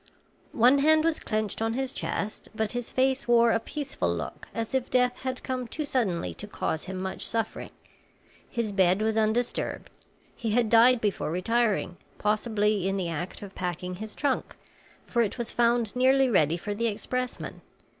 One hand was clenched on his chest, but his face wore a peaceful look as if death had come too suddenly to cause him much suffering. His bed was undisturbed; he had died before retiring, possibly in the act of packing his trunk, for it was found nearly ready for the expressman.